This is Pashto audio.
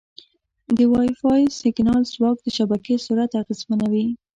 د وائی فای سیګنال ځواک د شبکې سرعت اغېزمنوي.